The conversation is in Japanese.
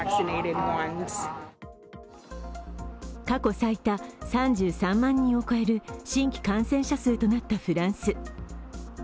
過去最多、３３万人を超える新規感染者数となったフランス。